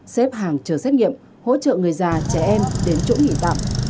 xếp hàng chờ xét nghiệm hỗ trợ người già trẻ em đến chỗ nghỉ tạm